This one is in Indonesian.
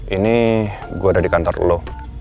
ini gue ada di kantor lo